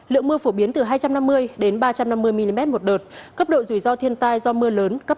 lượng mưa phổ biến từ hai trăm năm mươi đến ba trăm năm mươi mm một đợt cấp độ rủi ro thiên tai do mưa lớn cấp năm